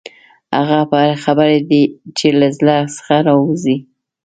هغه خبرې چې له زړه څخه راوځي.